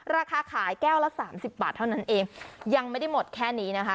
ราคาขายแก้วละสามสิบบาทเท่านั้นเองยังไม่ได้หมดแค่นี้นะคะ